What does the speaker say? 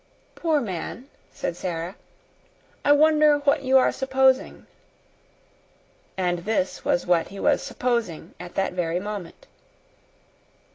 "Poor man!" said Sara. "I wonder what you are supposing." And this was what he was "supposing" at that very moment.